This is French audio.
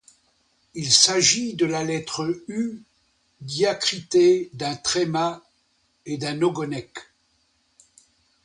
Il s’agit de la lettre U diacritée d’un tréma et d’un ogonek.